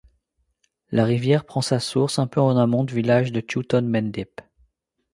La rivière prend sa source un peu en amont du village de Chewton Mendip.